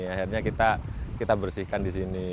akhirnya kita bersihkan di sini